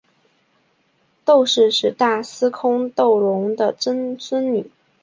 窦氏是大司空窦融的曾孙女。